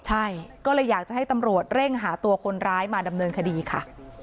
ใช่ก็เลยอยากจะให้ตำรวจเร่งหาตัวคนร้ายมาดำเนินคดีค่ะ